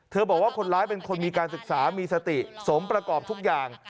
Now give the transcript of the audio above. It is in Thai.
บอกว่าคนร้ายเป็นคนมีการศึกษามีสติสมประกอบทุกอย่าง